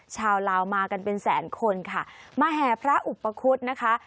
ชาวลาวมากันเป็นแสนคนค่ะมาแห่พระอุปคุฎนะคะ